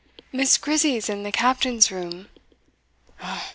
"Miss Grizzy's in the captain's room."